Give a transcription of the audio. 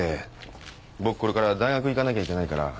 僕これから大学行かなきゃいけないから。